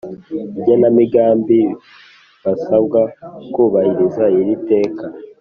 Igenamigambi basabwe kubahiriza iri teka